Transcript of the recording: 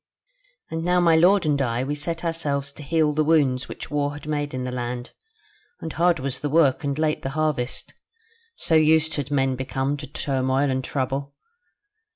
"And now my lord and I, we set ourselves to heal the wounds which war had made in the land: and hard was the work, and late the harvest; so used had men become to turmoil and trouble.